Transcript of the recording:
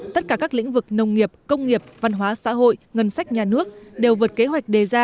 tất cả các lĩnh vực nông nghiệp công nghiệp văn hóa xã hội ngân sách nhà nước đều vượt kế hoạch đề ra